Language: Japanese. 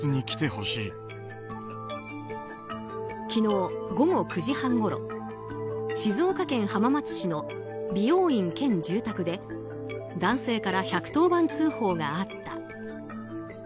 昨日、午後９時半ごろ静岡県浜松市の美容院兼住宅で男性から１１０番通報があった。